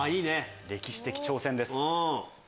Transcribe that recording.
歴史的挑戦です。